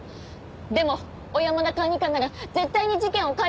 でも小山田管理官なら絶対に事件を解決できます。